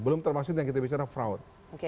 belum termasuk yang kita bicara fraud